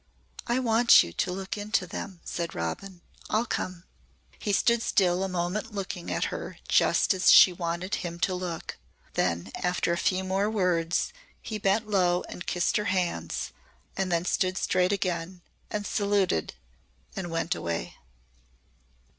"I want you to look into them," said Robin. "I'll come." He stood still a moment looking at her just as she wanted him to look. Then after a few more words he bent low and kissed her hands and then stood straight again and saluted and went away.